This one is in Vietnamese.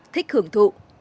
thích hưởng thụ